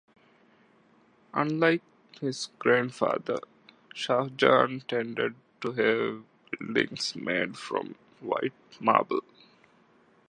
Unlike his grandfather, Shah Jahan tended to have buildings made from white marble.